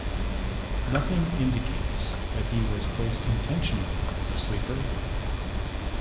Nothing indicates that he was placed intentionally as a sleeper.